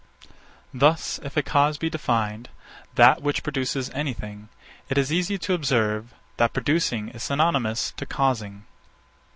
Thus, if a cause be defined, that which produces any thing; it is easy to observe, that producing is synonymous to _causing.